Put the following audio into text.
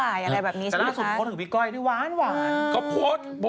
อะไรแบบนี้ใช่ไหมครับเต็มงานแต่ด้านสูตรโพสต์ถึงพี่ก้อยว้าน